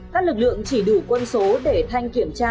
các lực lượng chỉ đủ quân số để thanh kiểm tra